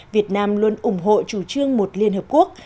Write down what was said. việt nam luôn ủng hộ chủ trương một liên hợp quốc